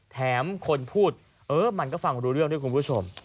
แถมคนพูดเออมันก็ฟังรู้เรื่องด้วยคุณผู้ชม